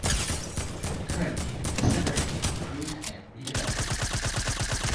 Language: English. Currently, the centre is being improved and redeveloped.